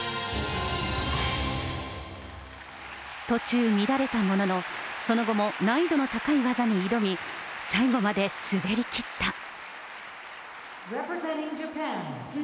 途中、乱れたものの、その後も難易度の高い技に挑み、最後まで滑りきった。